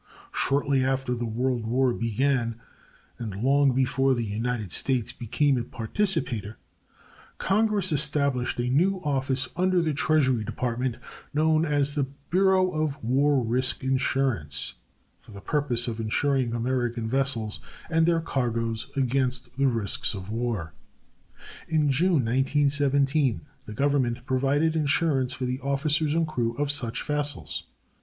Shortly after the World War began, and long before the United States became a participator, Congress established a new office under the Treasury Department known as the Bureau of War Risk Insurance, for the purpose of insuring American vessels and their cargoes against the risks of war. In June, 1917, the Government provided insurance for the officers and crews of such vessels.